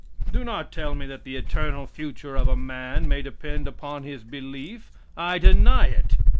Do not tell me that the eternal future of a man may depend upon his belief, I deny it.